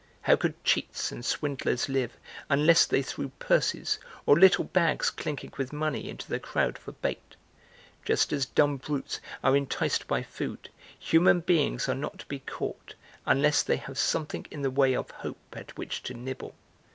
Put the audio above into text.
How could cheats and swindlers live unless they threw purses or little bags clinking with money into the crowd for bait? Just as dumb brutes are enticed by food, human beings are not to be caught unless they have something in the way of hope at which to nibble!